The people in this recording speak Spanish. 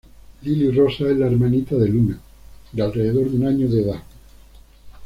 Lily Rosas es la hermanita de Luna, de alrededor de un año de edad.